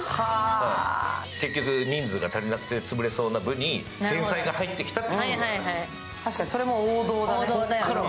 結局、人数が足りなくて潰れそうな部に天才が入ってきたというところから。